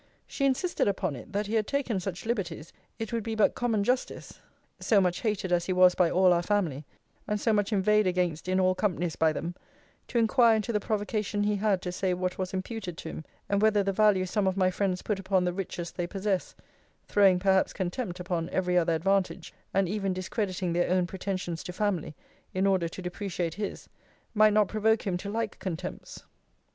She insisted upon it, that he had taken such liberties, it would be but common justice (so much hated as he was by all our family, and so much inveighed against in all companies by them) to inquire into the provocation he had to say what was imputed to him; and whether the value some of my friends put upon the riches they possess (throwing perhaps contempt upon every other advantage, and even discrediting their own pretensions to family, in order to depreciate his) might not provoke him to like contempts.